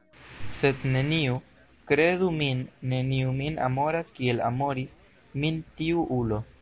Sed neniu, kredu min, neniu min amoras kiel amoris min tiu ulo.